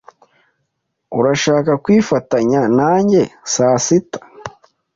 Urashaka kwifatanya nanjye saa sita?